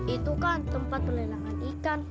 itu kan tempat pelelangan ikan